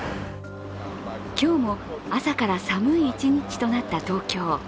今日も朝から寒い一日となった東京。